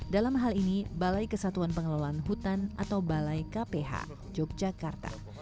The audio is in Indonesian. dalam hal ini balai kesatuan pengelolaan hutan atau balai kph yogyakarta